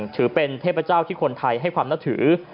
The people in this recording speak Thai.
ถือเป็นเทพเจ้าที่คนไทยให้ความนับถือ